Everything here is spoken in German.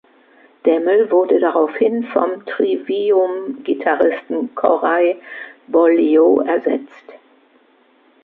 Demmel wurde daraufhin vom Trivium-Gitarristen Corey Beaulieu ersetzt.